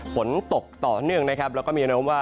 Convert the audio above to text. ฝนตกต่อเนื่องนะครับแล้วก็มีแนวโน้มว่า